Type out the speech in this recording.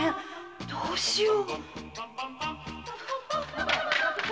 どうしよう。